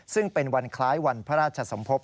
ซึ่งเป็นวันคล้ายวันพระราชสมภพ